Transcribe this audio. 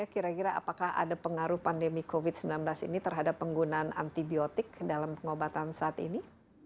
kira kira apakah ada pengaruh pandemi covid sembilan belas ini terhadap penggunaan antibiotik dalam pengobatan saat ini